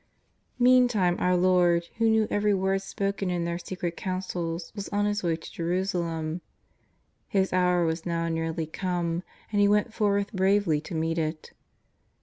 Meantime our Lord, who knew every word spoken in their secret councils, was on His way to Jerusalem. His hour was now nearly come, and He went forth bravely to meet it.